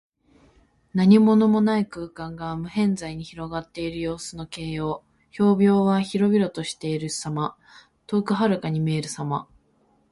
何物もない空間が、無辺際に広がっている様子の形容。「縹渺」は広々としている様。遠くはるかに見えるさま。